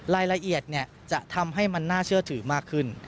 รายละเอียดจะทำให้มันน่าเชื่อถือมากขึ้น